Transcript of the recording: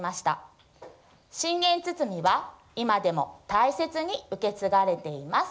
信玄堤は今でも大切に受け継がれています。